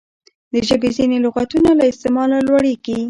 د ژبي ځیني لغاتونه له استعماله لوړیږي.